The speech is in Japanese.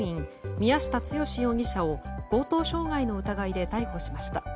宮下剛士容疑者を強盗傷害の疑いで逮捕しました。